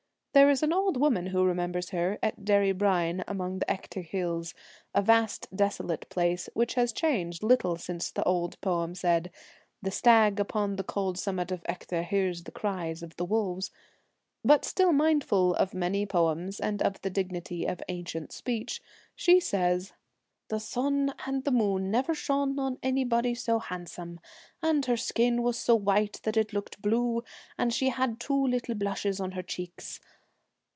There is an old 41 The woman who remembers her, at Derrybrien Twilight, among the Echtge hills, a vast desolate place, which has changed little since the old poem said, ' the stag upon the cold summit of Echtge hears the cry of. the wolves,' but still mindful of many poems and of the dignity of ancient speech. She says, ' The sun and the moon never shone on anybody so handsome, and her skin was so white that it looked blue, and she had two little blushes on her cheeks.'